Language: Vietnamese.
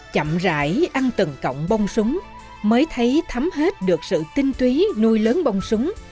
chậm rãi ăn từng cộng bông súng mới thấy thấm hết được sự tinh túy nuôi lớn bông súng